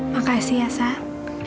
makasih ya sam